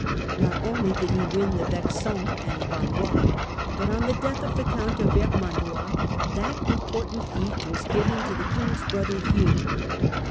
Not only did he win the Vexin and Yalois, but on the death of the Count of Vermandois, that important fief was given to the king's brother Hugh.